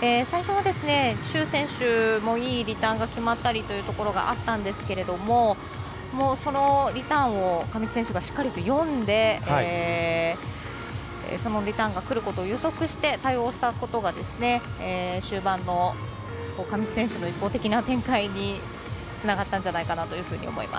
最初の朱選手もいいリターンが決まったりというところがあったんでですがリターンを上地選手がしっかりと読んでそのリターンがくることを予測して対応したことが終盤の上地選手の一方的な展開につながったんじゃないかなと思います。